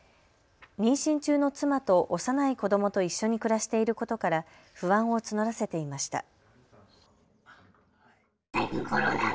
妊娠中の妻と幼い子どもと一緒に暮らしていることから不安を募らせていました。